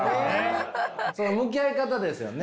その向き合い方ですよね。